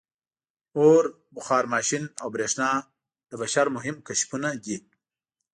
• اور، بخار ماشین او برېښنا د بشر مهم کشفونه دي.